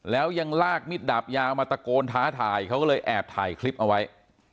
แล้วยังลากมิดดาบยาวมาตะโกนท้าทายเขาก็เลยแอบถ่ายคลิปเอาไว้